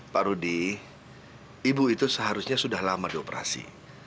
pak rudy ibu itu seharusnya sudah lama dioperasi